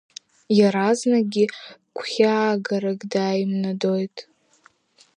Иаразнакгьы гәхьаагарак дааимнадоит.